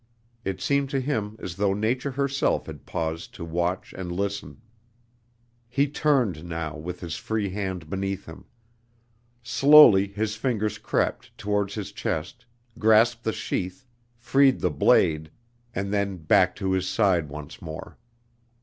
It seemed to him as though Nature herself had paused to watch and listen. He turned now with his free hand beneath him. Slowly his fingers crept towards his chest, grasped the sheath, freed the blade, and then back to his side once more.